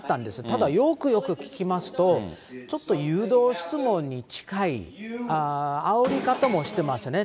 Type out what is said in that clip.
ただよくよく聞きますと、ちょっと誘導質問に近い、あおり方もしてますよね。